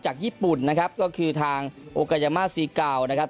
ญี่ปุ่นนะครับก็คือทางโอกายามาซีกาวนะครับ